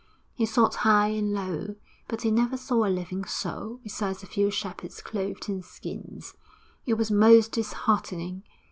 He sought high and low, but he never saw a living soul besides a few shepherds clothed in skins. It was most disheartening!